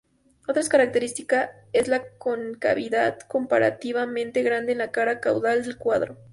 Otra característica es la concavidad comparativamente grande en la cara caudal del cuadrado.